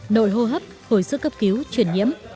đội hô hấp hồi sức cấp cứu truyền nhiễm